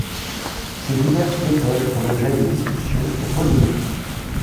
Ces diverses méthodes font l'objet de discussions et polémiques.